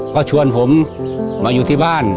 ก็ชวนผมมาอยู่ที่บ้าน